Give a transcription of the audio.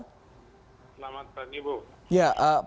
selamat pagi bu